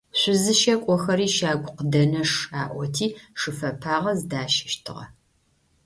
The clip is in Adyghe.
Шъузыщэ кӏохэри щагукъыдэнэш аӏоти шы фэпагъэ зыдащэщтыгъэ.